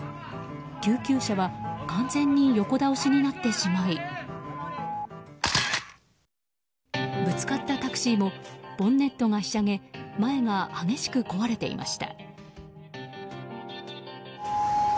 救急車は完全に横倒しになってしまいぶつかったタクシーもボンネットがひしゃげ前が激しく壊れていました。